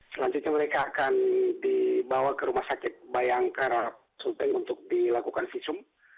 selanjutnya mereka akan dibawa ke rumah sakit bayangkara sulteng untuk dilakukan visum